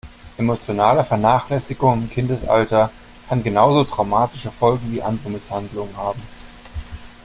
Emotionale Vernachlässigung im Kindesalter kann genauso traumatische Folgen wie andere Misshandlungen haben.